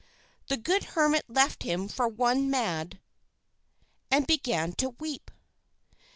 "The good hermit left him for one mad, and began to weep.